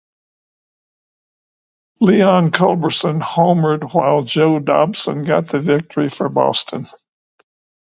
Leon Culberson homered while Joe Dobson got the victory for Boston.